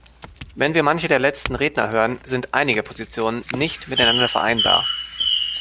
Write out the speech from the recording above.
Wenn wir manche der letzten Redner hören, sind einige Positionen nicht miteinander vereinbar.